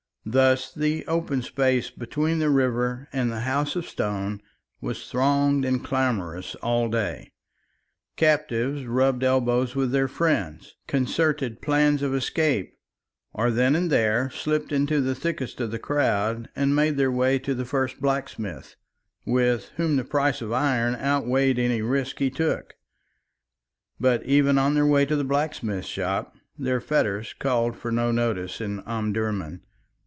Thus the open space between the river and the House of Stone was thronged and clamorous all day, captives rubbed elbows with their friends, concerted plans of escape, or then and there slipped into the thickest of the crowd and made their way to the first blacksmith, with whom the price of iron outweighed any risk he took. But even on their way to the blacksmith's shop, their fetters called for no notice in Omdurman.